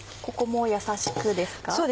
ここもやさしくですか？